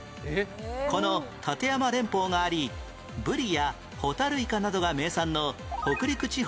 この立山連峰がありブリやホタルイカなどが名産の北陸地方の県は？